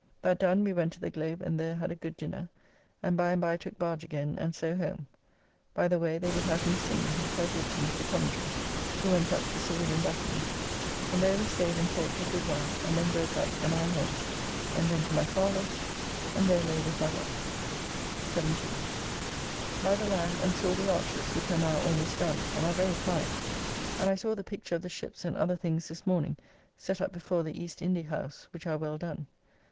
That done we went to the Globe and there had a good dinner, and by and by took barge again and so home. By the way they would have me sing, which I did to Mr. Coventry, who went up to Sir William Batten's, and there we staid and talked a good while, and then broke up and I home, and then to my father's and there lay with my wife. 17th. By land and saw the arches, which are now almost done and are very fine, and I saw the picture of the ships and other things this morning, set up before the East Indy House, which are well done.